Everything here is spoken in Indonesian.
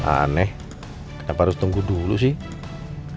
aneh kenapa harus tunggu dulu sih